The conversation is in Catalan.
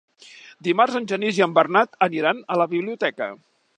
Dimarts en Genís i en Bernat aniran a la biblioteca.